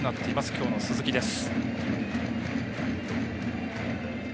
きょうの鈴木です。